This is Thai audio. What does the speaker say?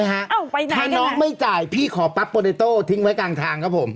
ถ้าน้องไม่จ่ายพี่ขอปั๊บโปรดิโต้ทิ้งไว้กลางทางครับผม